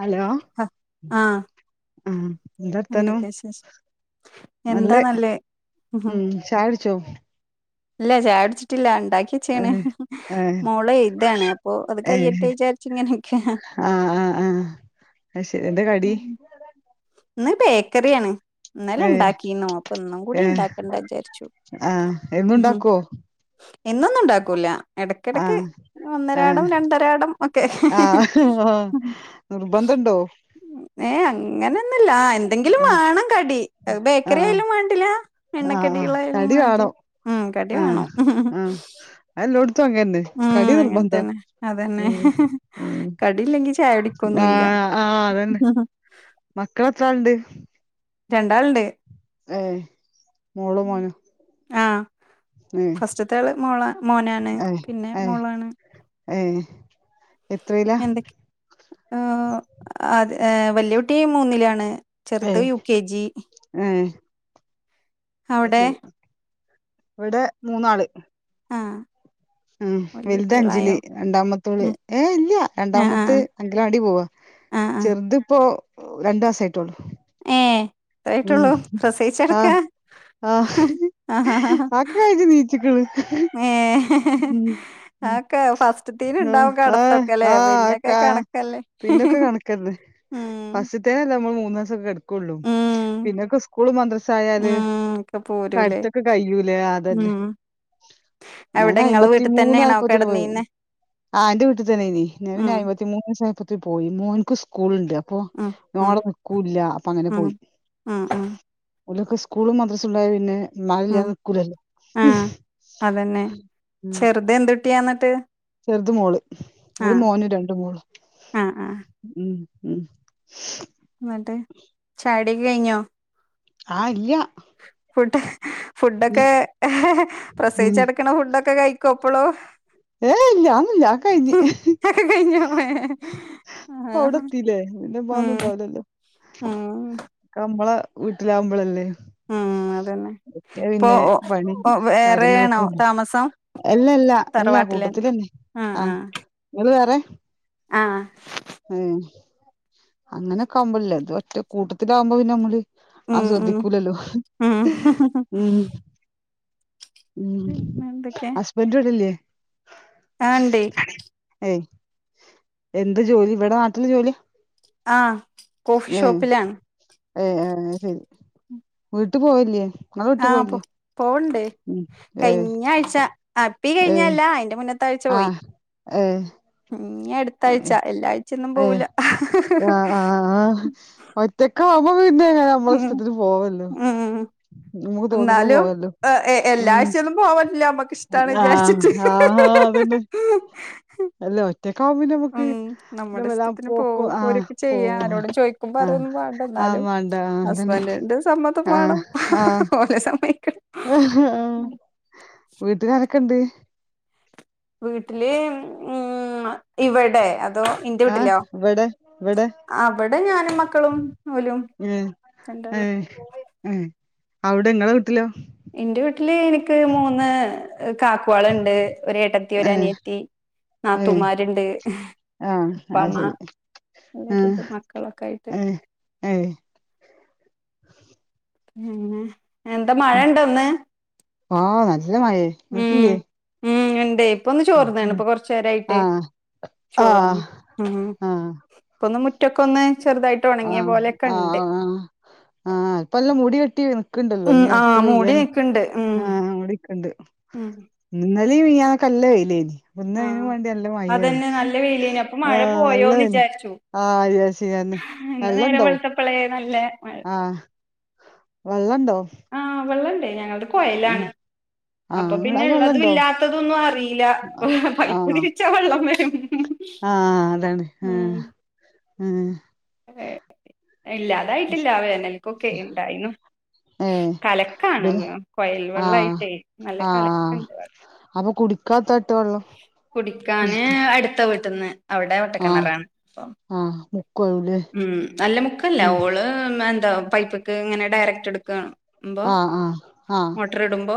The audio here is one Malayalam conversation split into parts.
ഹലോ ഹ ആഹ് ആഹ് എന്തർത്താനം എന്തൊക്കെയാ വിശേഷം എന്താ നല്ലത് നല്ലേ ഉഹും. ഉം ചായോടിച്ചോ ഇല്ല ചായടിച്ചിട്ടില്ലാ ഉണ്ടാക്കിയച്ച്യണ് ഏ ഏ മോളെയ്താണ് അപ്പൊ അത് കയ്യട്ടേ വിചാരിച്ചങ്ങനെനിക്ക ആഹ് ആഹ് ആഹ് ശരി എന്താ കടി ഉം. ഇന്ന് ബേക്കറിയാണ് ഇന്നല ഏ ഉണ്ടാക്കിന്നു അപ്പൊന്നും കൂടി ഉണ്ടാക്കണ്ട വിചാരിച്ചു ആഹ്‌ ഉഹും. എന്നുണ്ടാക്കോ എന്നൊന്നും ഉണ്ടാക്കൂല ആ എടക്കടക്ക് ആ ഒന്നരാടം രണ്ടരാടം ഒക്കെ ഹ്‌ ആ ഹ്‌ നിർബന്ധണ്ടോ ഏ അങ്ങനെന്നുല്ല എന്തെങ്കിലും ആ വേണം കടി അത്‌ ബേക്കറി ആയാലും വേണ്ടില്ല ആഹ് എണ്ണക്കടികളായാലും വേണ്ടില്ല കടിവാണം ഉം കടി ആഹ്‌ ആ വേണം അതെല്ലോടത്തും അലോത്തുംങ്ങന്നെ ഉം കടി അങ്ങനെ നിർബന്ധ തന്നെ അതന്നെ ഉം ഉം കടിയില്ലെങ്കി ചായ ആ കുടിക്കൊന്നുല്ല ആ ആഹ് അതന്നെ മക്കളെത്രാളുണ്ട് രണ്ടാള്ണ്ട് ഏ മോളോ മോനാ ഫസ്റ്റത്താള് മോള മോനാണ് ഏ പിന്നെ ഏ മോളാണ് ഏ എത്രയിലാ എന്തൊക്ക ആ അത് ഏ വല്യകുട്ടി മൂന്നിലാണ് ഏ ചെറുത് യു കെ ജി ഏഹ് അത് അവിടേ ശരി ഇവിടെ മൂന്നാള് ആഹ് ഉം വല്യ വലുതഅഞ്ചില് കുട്ടികളായോ രണ്ടാമത്തോള് ഉം ഏ ഇല്യ ആഹ് രണ്ടാമത്ത് ആഹ് അങ്കലവാടി പോവാ ആഹ് ആഹ് ചെറുത്പ്പോ രണ്ടു മാസായിട്ടൊള്ളു ഇത്രായിട്ടൊള്ളൂ പ്രസവിച്ചെടക്ക ആഹ് ആക്കെ കഴിഞ് നീച്ച്ക്ക്‌ണ് ഏഹ് അതൊക്കെ ഫസ്റ്റ്ത്തീന് ആ ഇണ്ടാവും ആഹ് കടത്തൊക്കെല്ലേ ആ്ക്ക പിന്നൊക്കെ കണക്കല്ലേ പിന്നൊക്കെ കണക്കന്നെ ഉം ഫസ്റ്റ്തയ്നല്ലേ മ്മൾ മൂന്നാസൊക്കെ കെട്ക്കാ ഉം പിന്നൊക്കെ സ്കൂളും മദ്രസായാല് ഉം ഒക്കെ പോരൂലേ കെടത്തൊക്കെ കയ്യൂലെ അതന്നെ ഉം അവിടെ ഇങ്ങളെ വീട്ടി തന്നെയാണോ ഞാനഅയമ്പത്തിമൂന്നായപത്തിന് പോയി കെടന്നീന്നെ ആഹ് ന്റെ വീട്ടിതന്നെയിന് ഞാപിന്നെ ഉം അയമ്പതിമൂന്ന് ദിവസായ്പ്പത്തി പോയി മോന്ക്ക് സ്കൂള്ണ്ട് അപ്പൊ ഉം ഓനവടെ നിക്കൂല്ല അപ്പൊ അങ്ങനെ പോയി ആ ആ ഓലൊക്കെ സ്കൂളും മദ്രസുണ്ടായ പിന്നേ ഉം ഇമ്മാരില്ലാതെ നിക്കൂലല്ലോ ആഹ് അതന്നെ ഹമ് ചെറുത് എന്തുട്ടിയാ എന്നിട്ട് ചെറുത് മോള് ഒരു ആഹ് മോനും രണ്ട്‌ മോളും ആഹ് ഉം ന്നിട്ട് ചായോടിക്കോ കഴിഞ്ഞോ ആ ഇല്ല്യാ ഫുഡ് ഹ്‌ ഫുഡൊക്കെ ഹെ ഹേ ഉം പ്രസവിച്ചെടുക്കണ ഫുഡൊക്കെ കഴിക്കോ പ്പളും ഏഹ് ഇല്ല്യ അഒന്നും ഇല്ല്യ ആക്കെയ്ഞ് ഒക്കെ കഴിഞ്ഞോ ആഹ് ഇപ്പവടെത്തില്ലേ ഇഞ്പ്പോഅഒന്നുണ്ടാവൂല്ലലോ ആഹ് ക മ്മളെ വീട്ടിലാവുമ്പളല്ലേ ഉം അതന്നെ എത്യാ ഇപ്പൊ പിന്നെ ഓ പണി ഓ വേറെയാണോ കാര്യങ്ങളൊക്കെ താമസം എല്ലല്ലാ എല്ലാ തറവാട്ടിലെന്നെ കൂട്ടത്തിലന്നെ ആഹ് ഇങ്ങള് വേറേ ആഹ് ഉം അങ്ങനൊക്കെ ആവുമ്പോഴല്ലേ ത് ഒറ്റ കൂട്ടത്തിലാകുമ്പോ പിന്നെ നമ്മള് ആ ഉം ഉം ശ്രദ്ധിക്കൂലല്ലോ ഉം ഉം ഉം പിന്നെ ഹസ്ബൻഡ് ഇവിടില്ലേ ആണ്ടേ ഏ എന്ത് ജോലി ഇവിടെ നാട്ടില് ജോലിയാ ആ കോഫി ഷോപ്പിലാണ് ഏയ് ഏ ശരി വീട്ട് പോയില്ലേ ആഹ പോ പോവുണ്ട് ഏഹ് കഴിഞ്ഞ ആഴ്ച ഈ ഏഹ് കഴിഞ്ഞല്ല അയിന്റെ മുന്നത്തെ ആഹ് ഏഹ് ഇഞ്ഞ് അടുത്താഴ്ച എല്ലാഴ്ചൊന്നും ഏഹ് പോവൂല ആഹ് ആഹ് ഒറ്റക്കാവുമ്പോ പിന്നെ നമ്മളെ ഉം ഇഷ്ടത്തിന് പോവല്ലോ ഉം നമുക്ക് തോന്നുമ്പോ എന്നാലും പോവാല്ലോ എ എല്ലാ ഉം ആഴ്ചയൊന്നും പോവാൻ പറ്റില്ല നമ്മക്ക് ഇഷ്ടാണ് ആഹ് വിചാരിച്ചിട്ട് ആ അതന്നെ അല്ല ഒറ്റ ഉം നമ്മുടെ ഇഷ്ടത്തിന് പോക്കും പോവും ആ പോരും ഒക്കെ ചെയ്യാ പോവാ ആരോടും ചോദിക്കും ആ പറയൊന്നും വേണ്ട ആ ന്നാലും ലും മാണ്ട ആ അതന്നെ ഹസ്ബൻഡന്റെ സമ്മതം ആ വേണം ഓല് സമ്മയിക്കണം ആ വീട്ടുകാരൊക്കെ ഇണ്ട് വീട്ടില് ഉം ഇവിടെ അതോ ഇന്റെ ആ വീട്ടിലോ ഇവിടെ ഇവിടെ അവിടെ ഞാനും മക്കളും ഓലും രണ്ടാളും ഏഹ് ഏ അവിടെ നിങ്ങളെ വീട്ടിലോ ഇന്റെ വീട്ടില് എനിക്ക് മൂന്ന് കാക്കുവാളുണ്ട് ഒരു ഏട്ടത്തി ഒരു ഏ അനിയത്തി നാത്തൂന്മാരുണ്ട് ആഹ് അയ് ശരി [unintelligible] മക്കളൊക്കെ ആയിട്ട് ഏഹ് പിന്നെ എന്താ മഴ ഉം. ഇണ്ടോ ഇന്ന് ആ നല്ല മഴേ ഉം ഇങ്ങക്കില്ലേ ഉം ഇണ്ട് ഇപ്പൊന്ന് ചോർന്ന്ണ് ഇപ്പ കൊർ ച്ചേ ആ രായിട്ട് ആ ആ ചോർന്ന് ഉം ആ ഇപ്പന്ന് മു റ്റ ക്കൊന്ന് ആഹ് ആഹ് ആഹ് ആഹ് ഇപ്പൊന്ന് എല്ലാം മൂടി കെട്ടീണ് ക്ക്ണ്ടല്ലോ ഉം ഇഞ്ഞ് അടുത്ത് ആഹ് മൂടി പെയ്യാൻ നിക്ക്ണ്ട് ഉം ആഹ് ഇവിടെ ക്ക്ണ്ട് ഉം ഇന്നലിം മിനിഞ്ഞാന്നൊക്കെ നല്ല വെയിലേനി ഇന്ന്‌ അയിനും ആഹ് മാണ്ടി നല്ല മയാണ് അതന്നെ നല്ല വെയിലേനി അപ്പൊ മഴ ആഹ് പോയോന്ന് നല്ലേന് വിചാരിച്ചു [unintelligible] ഇന്ന് വെള്ളം നേരം ഉണ്ടോ വെളുത്തപ്പളേ നല്ല മഴ ആഹ് വള്ളം ഇണ്ടോ ആ വെള്ളം ഇണ്ടേ ഞങ്ങളുടെ കൊയലാണ് അപ്പൊ ആഹ് പിന്നെ അയ്ല് ബള്ളതും വെള്ളണ്ടോ ഇല്ലാത്തതൊന്നും അറിയില്ല ആഹ് പൈപ്പ് തിരിച്ചാ വെള്ളം വരും ആഹ് അതാണ് ആഹ് ഹേ ഹേ ഇല്ലാ അതായിട്ടില്ല വേനൽക്കൊക്കെ ഇണ്ടായീന്നു ഏഹ് കലക്കാണ് ഇബല് കൊയൽ ആഹ് വെള്ളായിട്ടേ നല്ല ആഹ് കലക്ക്ണ്ട് വെളളം അപ്പൊ കുടിക്കാത്താട്ട് വെള്ളം കുടിക്കാന് ഫിൽറ്റർ അടുത്ത വീട്ടിന്ന് അവിടെ ആഹ് വട്ടക്കിണറാണ് അപ്പ ആഹ് മുക്കുവാവുലേ ഉം അല്ല മുക്കല്ല ഉം ഓള് ന് ട്ടെ പൈപ്പ്ക്ക് ഇങ്ങനെ ഡയറക്ട് എടുക്കാണ് ആഹ് ആഹ് ആഹ് ഇടുമ്പോ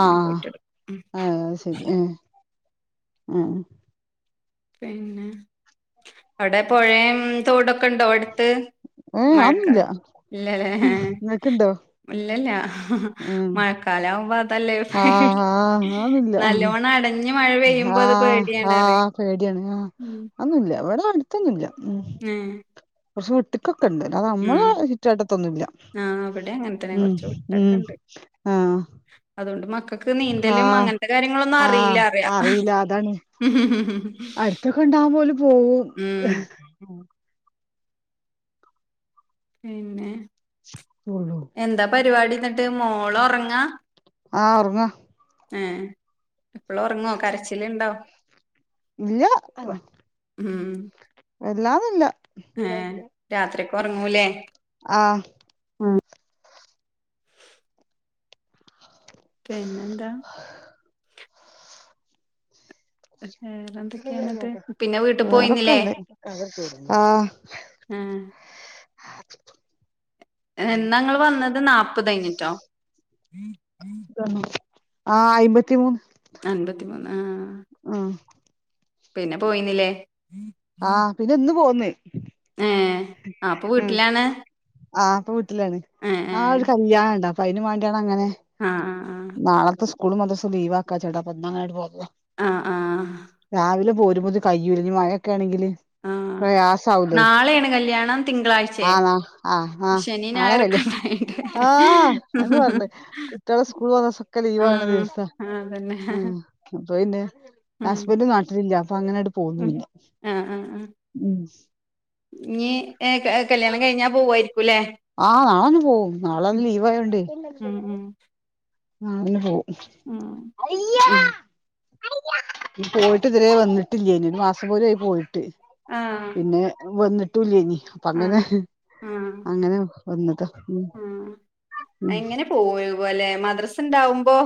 ആഹ് ആഹ് പോയിട്ടെടുക്കും ഉം ആയ് ശരി ഏഹ് പിന്നെ അവിടെ പുഴേം തോടൊക്കെ ഉണ്ടോ എടുത്ത് ഏഹ് മഴക്കെ അതൊന്നുല്ല ഇല്ലല്ലേ ഇങ്ങക്ക്ണ്ടോ ഇല്ലല്ല ഉം മഴക്കാലാവുമ്പോ ല്ലേ ആഹ് ആഹ് അതൊന്നുല്ല നല്ലോണം അടഞ്ഞ് മഴ പെയ്യുമ്പോ അത് പേടിയാണ് പറിം ടിയാണ് ഹാ അന്നും ഇല്ല ഇവെടെ അടുത്തൊന്നുല്ല ഉം കൊറച്ച് വിട്ട്ക്കോ ക്കണ്ട്. പിന്നെ നമ്മളെ ചുറ്റുവട്ടത്തൊന്നും ഇല്ല്യ. ആഹ് ഇവിടെ അങ്ങനെ തന്നെ ഉം ഉം ആഹ് അതോണ്ട് മ ക്കക്ക് നീന്തലും ആഹ് അങ്ങനത്തെ കാര്യങ്ങളൊന്നും ആഹ് അറീലാറ്യാ. അട്ത്തൊക്കെ ഇണ്ടാവുമ്പൊ ഓല് പോവും. ഉം പിന്നെ പോവും എന്താ പരിപാടിന്നിട്ട് മോള് ഒറങ്ങാ? ആഹ് ഒറങ്ങാ. ഏഹ് എപ്പളും ഒറങ്ങോ കരച്ചില്ണ്ടോ. ഇല്ല ഉം വല്ലാതില്ല. ഏഹ് രാത്രിക്ക് ഒറങ്ങൂലേ ആഹ് പിന്നെന്താ വേറെന്തെക്കെ ഇന്നിട്ട് പിന്നെ വീട്ട് പോയീന്നിലേ വേറൊക്കെണ്ട് ആഹ് ആഹ് എന്നാങ്ങള് വന്നത് നാപ്പതയ്ഞ്ഞ്ട്ടോ ആഹ് അയ്മ്പത്തി മൂന്ന് അൻപത്തി മൂന്ന് ആഹ് ആ പിന്നെ പോയീന്നിലേ? ആഹ് പിന്നെന്ന് പോന്ന്. ഏഹ് ആ പ്പൊ ഉം വീട്ടിലാണ്. ആഹ് ഇപ്പ വീട്ടിലാണ് ഏ ഏ നാളെ ഒരു കല്യാണം ഉണ്ട് അപ്പൊ അയിനം വാണ്ടിയാണ്ടങ്ങനെങ്ങനെ ആ നാളെ സ്കൂളും മദർസും ലീവാക്കാച്ച്ട്ടാ അപ്പൊ ഇന്നങ്ങനെണ്ട് പോന്നതാ. ആഹ് ആഹ് ഒരു പൊതി കയ്യൂലഞ്ഞി മഴെക്കെ ആണെങ്കില് ആ പ്രയാസാവൂലേ നാളെയാണ് കല്യാണം തിങ്കളാഴ്ചേ ആഹ് നാ ആഹ് ആഹ് ശനി നാളെ ഞായറൊക്കെ കല്യാ ഉണ്ടായിട്ട് [inaudible] ആഹ് അഹ് നെ പർഞ്ഞ് കുട്ട്യാളെ സ്കൂള് [unintelligible] സൊക്കെ ലീവാണെ ഉം ദിവസാ ആ അതന്നെ ഉം അപ്പൊ പിന്നെ ഉം ഹസ്ബന്റ് നാട്ടിലില്ല അപ്പൊ അങ്ങനെങ്ങട്ട് പോന്നു ഉം പിന്നെ ഉം ഇഞ് ഏ ക കല്യാണം കഴിഞ്ഞാ പോവായി ആഹ് നാളന്നെ പോവും നാളെ ഒന്ന് ലീവ് ആയോണ്ടേ ഉം നാളെന്നെ പോവും. ആഹ് പോയിട്ട് ഇതരെ വന്നിട്ടില്ലെനു ഒരു മാസം പോലും ആയി പോയിട്ട് ആഹ് പിന്നെ വന്നിട്ടുല്ലേനി അപ്പ അങ്ങനെ ആഹ് ആഹ് അങ്ങനെ വന്നതാ ഉം ആഹ് ഉം എങ്ങനെ പോകും ലെ മദ്രസ ഉണ്ടാവുമ്പോ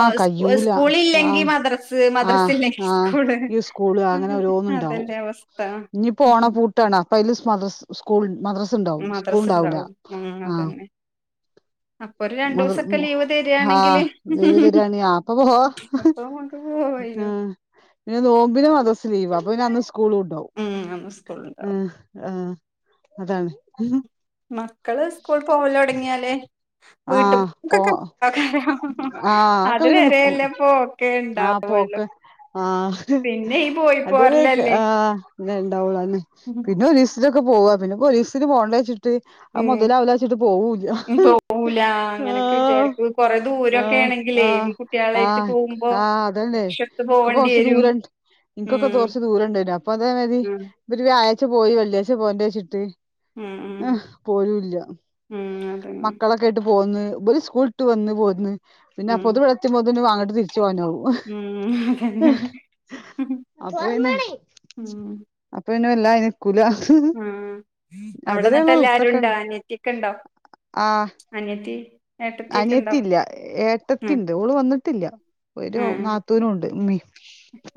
ഓ സ് കയ്യൂല സ്കൂള് ഇല്ലെങ്കി ആഹ് മദ്രസ് മദ്രസ് ഇല്ലെങ്കി സ്കൂള് ങ്ങനെ അതെ, ഓരോന്ന്ണ്ടാവും അതല്ലേ അവസ്ഥ ഇഞ് പ്പോ ഉം ഉം. ഓണപ്പൂട്ടാണ് അപ്പ അതില് മദ്രസ് സ്കൂള് മദ്രസ ഇണ്ടാവും സ്കൂള് മദ്രസ് ഇണ്ടാവൂല ഇണ്ടാവും ഉം ആഹ് അതന്നെ അപ്പൊ ഒരു മദ്റ രണ്ടൂസൊക്കെ മു ലീവ് ഹാ തരാണെങ്കില് ലീവ് തര്ആണെങ്കി അപ്പൊ പോവാ അപ്പൊ നമുക്ക് പോവേനു ആഹ് പിന്നെ നോമ്പിന് മദ്രസ ലീവാ അപ്പൊ പിന്നെ അന്ന് സ്കൂളുണ്ടാവും. ഉം അന്ന് ഹ് സ്കൂള്ണ്ടാവും ഹ് അതാണ് മക്കള് സ്കൂൾ പോവലു തുടങ്ങിയാല് ആഹ് പോ വീട്ടുമക്കക്കെ ആഹ് അതൊക്കെ അത് പിന്നെ നിക്കും വരയെല്ല പോക്കെ ആ ഇണ്ടാവൂ. പോക്ക് ആ പോയി അതൊരു ക് പോരലല്ലേ ആ ങ്ങെണ്ടാവുള്ളൂ അതാണ്. പിന്നെ ഒരു ദിസത്തിനൊക്കെ പോവാം പിന്നെ ഒരു ദീസത്തിന് പോണ്ടേന്നു വച്ചിട്ട് ഉം മുതലാവില്ലാന്ന് വച്ചിട്ട് പോവൂല്ല. ലാ അങ്ങനെയൊക്കെ ആഹ് വിചാരിക്കും കൊറെ ദൂരൊക്കെ ആഹ് ആണെങ്കിലേ ആഹ് കുട്ടികളായിട്ട് ആഹ് പോകുമ്പോ ആഹ് [unintelligible] പോകേണ്ടി വരും ഇനിക്കൊക്കെ ഉം കുറച്ച് ദൂരം ഉണ്ടേനു. അപ്പൊ അതേ മതി ഉം ഇതൊരു വ്യാഴായ്ച പോയി വെള്ളിയാഴ്ച പോന്റെ വെച്ചിട്ട് ഉം ഉം ആ പോരുംല്ല ഉം അതന്നെ ട്ട് പോ സ്കൂട്ട് വന്ന് പോന്ന് പിന്നെ ഉം പൊതുവിളത്തി ഉം അതെന്നെ ഉം പിന്നല്ല ഇ കുലാ ഉം അവിടെ എന്നിട്ട് അതിലെയുള്ള എല്ലാരും ഉണ്ടോ നത്തക്കെണ് അനിയത്തിയൊക്കെ ഉണ്ടോ ആ അനിയത്തി ഏട്ടത്തിയൊക്കെ ഉണ്ടോ അനിയത്തിയില്ല ഉം ഏട്ടത്തിണ്ട് ഓള് വന്നിട്ടില്ല ഒരു ഉം നാത്തൂനും ഉണ്ട് ഉമ്മീ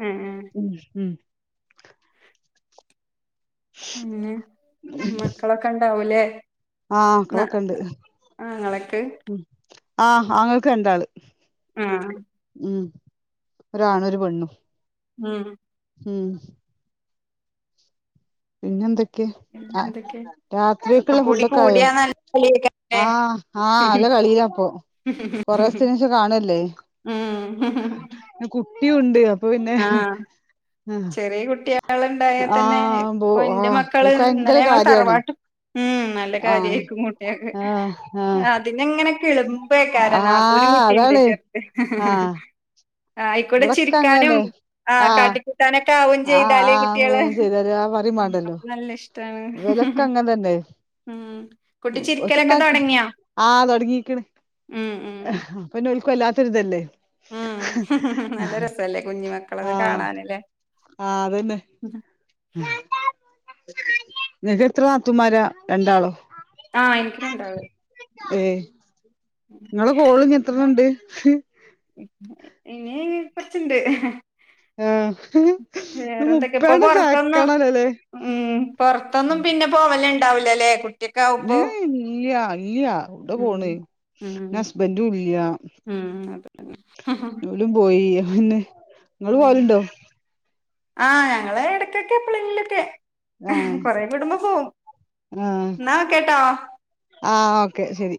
ഉം ഉം ഉ പിന്നെ മക്കളൊക്കെ ഉണ്ടാവൂലേ ആഹ ന കളക്കണ്ട് ആങ്ങളക്ക് ഉ ആഹ് ആങ്ങൾക്ക് രാണ്ടാള് ആഹ ഒരാണ് ഒരു പെണ്ണു ആഹ ഉം പിന്നെ എന്തൊക്കെയ ഉ എന്തൊക്കെ ഒക്കെ രാത്രിയൊക്കുള്ള കൂടി ഫുഡൊക്കെ ആയോ കൂടിയാ നല്ല കളിയേക്കാരല്ലേ ആഹ ആഹ അല്ല കളിയാപ്പോ കൊറേദിവസത്തിന് ശേഷം കാണല്ലേ ഉം കുട്ടിയുണ്ട് പിന്നെ ആഹ് ചെറിയ കുട്ടിയാളുണ്ടായാ ആ തന്നെ ആ ഓ ഇപ്പൊ ഇന്റെ ആഹ മക്കള് എനക്ക് ഭയങ്കര ഇന്നലെ ഞങ്ങൾ കാര്യാണ് തറവാട്ട് ഉം നല്ല ആ കാര്യായിരിക്കും കുട്ടിയൊക്കെ ആ ആ അതിന എങ്ങനെ കേളു ഇപ്പൊക്കാര നാത്തൂനും ആഹ് കുട്ടിയണ്ട് അതാണ് ചെറുത് ആഹ് ആ ആയിക്കൂടെ ഇവിടൊക്കെ ചിരിക്കാനും ആ കാട്ടികുട്ടാനൊക്കെ ആഹ ആ ശത ആ പററി ഉം വേണ്ടല്ലോ അപ്പൊ നല്ല ഇഷ്ടാണ് വിലക്ക അങ്ങനെ തന്നെ ഉം കുട്ടി [unintelligible] ചിരിക്കലൊക്കെ ഒച്ചയുണ്ടാക്ക തൊടങ്ങിയോ ആ തുടങ്ങിയിരിക്കണേ ഉം ഉം ആ അപ്പൊന്ന ഉൽക്കല്ലാത്തൊരിതല്ലേ ഉം നല്ല രസല്ലേ കുഞ്ഞു മക്കളത് കാണാനല്ലേ ആഹ അതന്നെ നിനക്ക് എത്ര നാത്തൂന്മാര രണ്ടാളോ ആ് എനിക്ക് രണ്ടാള് ഏയ് നിങ്ങളെ കോള ഇങ്ങ എത്രണ ഇണ്ട് ഇനി കൊറച്ചണ്ട് ആഹ് ഇത് വേറെന്തൊക്കെ ഇപ്പൊ മുപ്പതെണ്ണം പൊറത്തന്ന് താക്കണല്ലോല്ലേ ഉം പൊറത്തൊന്നും പിന്നെ പോവല് ഉണ്ടാവില്ലല്ലേ കുട്ടി യം ഇല്ലയ ഇല്ലയ അവിടെ ഉം പോണ് ഉം ഹുസ്ബൻഡും ഇല്ല്യ ഉം അതെ ലും പോയി പിന്നെ നിങ്ങള് ഉം പോലുണ്ടോ ആഹ് ഞങ്ങള് ഇടക്കൊക്കെ എപ്പോഴോങ്കിലുമൊക്കെ ആഹ് കൊറെ കുടുംബ പോവും ആഹ് എന്നാ കേട്ടോ ആ ഓക്കെ ശരി